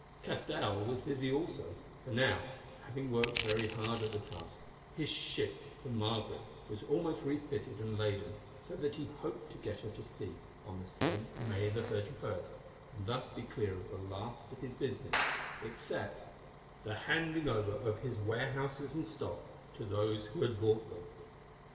Castell was busy also, for now, having worked very hard at the task, his ship the Margaret was almost refitted and laden, so that he hoped to get her to sea on this same May 31st, and thus be clear of the last of his business, except the handing over of his warehouses and stock to those who had bought them.